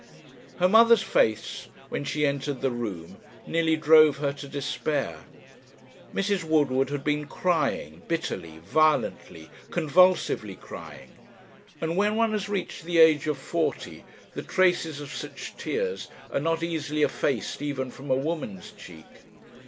Her mother's face, when she entered the room, nearly drove her to despair; Mrs. Woodward had been crying, bitterly, violently, convulsively crying; and when one has reached the age of forty, the traces of such tears are not easily effaced even from a woman's cheek.